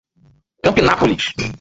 Campinápolis